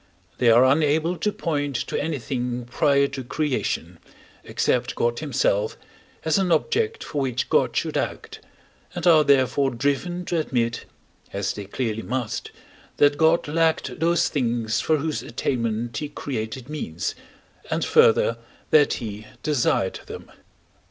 They are unable to point to anything prior to creation, except God himself, as an object for which God should act, and are therefore driven to admit (as they clearly must), that God lacked those things for whose attainment he created means, and further that he desired them.